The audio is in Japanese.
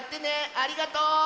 ありがとう！